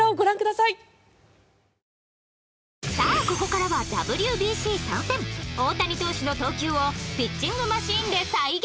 さあ、ここからはＷＢＣ参戦大谷投手の投球をピッチングマシーンで再現！